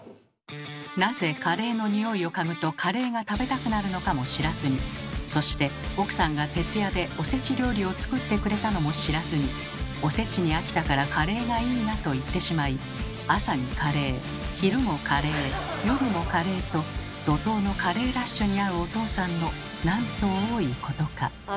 なぜカレーの匂いを嗅ぐとカレーが食べたくなるのかも知らずにそして奥さんが徹夜でおせち料理を作ってくれたのも知らずに「おせちに飽きたからカレーがいいな」と言ってしまい朝にカレー昼もカレー夜もカレーと怒とうのカレーラッシュにあうおとうさんのなんと多いことか。